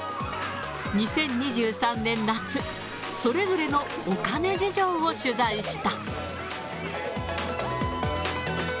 ２０２３年夏、それぞれのお金事情を取材した。